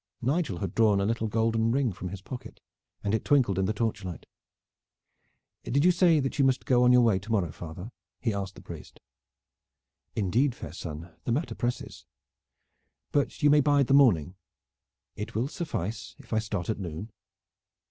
Nigel had drawn a little golden ring from his pocket, and it twinkled in the torchlight. "Did you say that you must go on your way to morrow, father?" he asked the priest. "Indeed, fair son, the matter presses." "But you may bide the morning?" "It will suffice if I start at noon."